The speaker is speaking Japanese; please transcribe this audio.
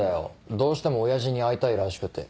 どうしても親父に会いたいらしくて。